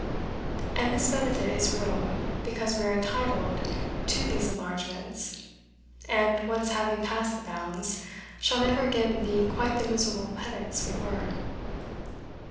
And this benefit is real, because we are entitled to these enlargements, and, once having passed the bounds, shall never again be quite the miserable pedants we were.